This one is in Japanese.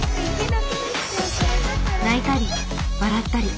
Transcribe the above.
泣いたり笑ったり。